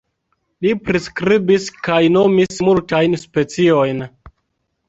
Li priskribis kaj nomis multajn speciojn.